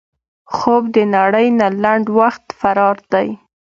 خوب د نړۍ نه لنډ وخت فرار دی